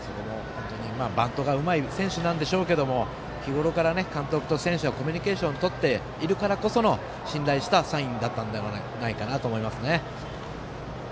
バントがうまい選手なんでしょうけど日頃から、監督と選手がコミュニケーションをとっているからこその信頼したサインだったのではないかと思いますね。